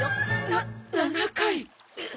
な７回。